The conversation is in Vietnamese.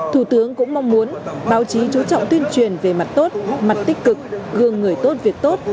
thủ tướng cũng mong muốn báo chí chú trọng tuyên truyền về mặt tốt mặt tích cực gương người tốt việc tốt